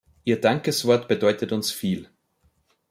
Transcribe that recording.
Ihr Dankeswort bedeutet uns viel.